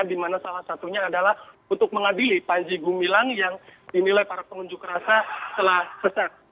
dimana salah satunya adalah untuk mengadili panji gumilan yang dinilai para pengunjuk rasa telah kesat